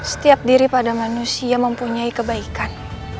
setiap diri pada manusia mempunyai kebaikan